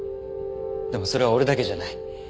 でもそれは俺だけじゃない。